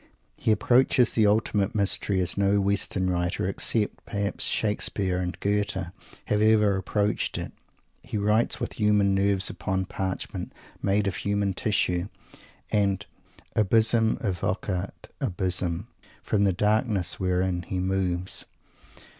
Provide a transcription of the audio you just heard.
He approaches the ultimate mystery as no Western writer, except, perhaps, Shakespeare and Goethe, has ever approached it. He writes with human nerves upon parchment made of human tissue, and "abyssum evocat abyssum," from the darkness wherein he moves.